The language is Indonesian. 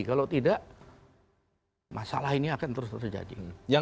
kalau tidak masalah ini akan terus terjadi